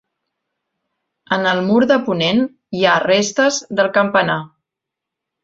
En el mur de ponent hi ha restes del campanar.